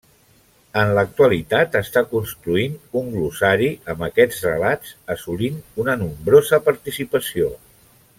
En l'actualitat, està construint un glossari amb aquests relats assolint una nombrosa participació.